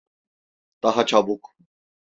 Daha çabuk!